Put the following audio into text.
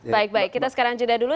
baik baik kita sekarang jeda dulu